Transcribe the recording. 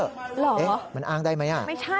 หรอไม่ใช่แล้วล่ะมันอ้างได้ไหม